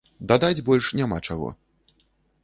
Дадаць больш няма чаго.